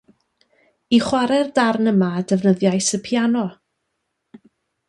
I chwarae'r darn yma defnyddiais y piano